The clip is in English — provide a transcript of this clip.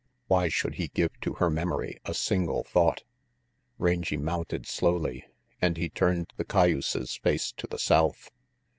Why should he give to her memory a single thought? Rangy mounted slowly, and he turned thecayuse's face to the south.